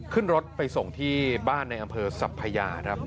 ขึ้นรถไปส่งที่บ้านในอำเภอสัพพยาครับ